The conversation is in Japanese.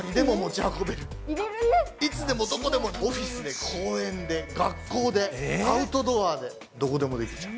いつでもどこでもオフィスで公園で、学校で、アウトドアで、どこでもできちゃう。